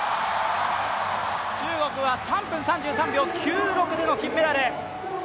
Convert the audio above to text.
中国は３分３３秒９６での金メダル。